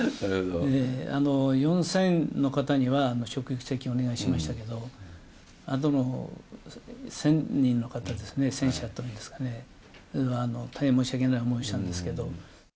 ４０００の方には職域接種をお願いしましたけど、あとの１０００人の方ですね、１０００社っていうんですかね、大変申し訳ない思いをしたんですけど。